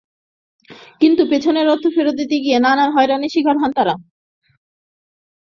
কিন্তু পেনশনের অর্থ ফেরত দিতে গিয়ে নানা হয়রানি শিকার হন তারা।